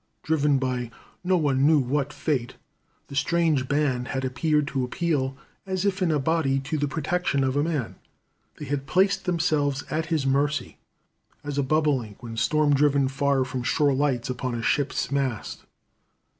Driven by no one knew what fate, the strange band had appeared to appeal, as if in a body, to the protection of man. They had placed themselves at his mercy as a bobolink when storm driven far from shore lights upon a ship's mast.